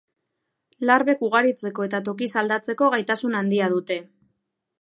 Larbek ugaritzeko eta tokiz aldatzeko gaitasun handia dute.